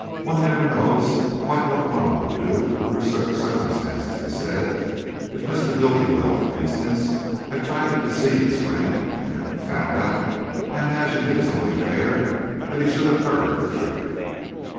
"One never knows quite what one would do under certain circumstances," he said. "If Mr. Bultiwell, for instance, had tried to deceive his friend and had been found out, I imagine it is only fair that he should have heard the truth."